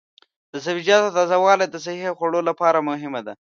د سبزیجاتو تازه والي د صحي خوړو لپاره مهمه ده.